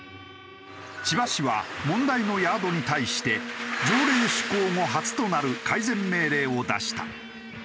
千葉市は問題のヤードに対して条例施行後初となる改善命令を出した。